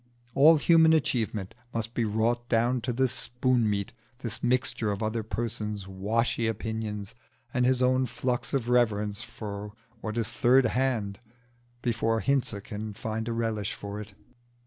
All human achievement must be wrought down to this spoon meat this mixture of other persons' washy opinions and his own flux of reverence for what is third hand, before Hinze can find a relish for it.